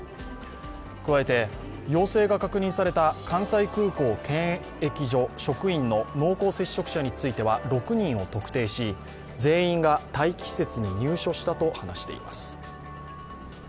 加えて陽性が確認された関西空港検疫所職員の濃厚接触者については、６人を特定し、全員が待機施設に入所したと話しています。